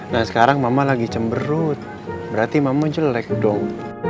nah sekarang mama lagi cemberut berarti mama jelek dong